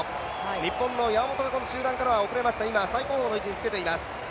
日本の山本が集団から遅れました、最後方の位置につけています。